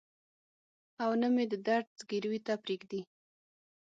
او نه مې د درد ځګروي ته پرېږدي.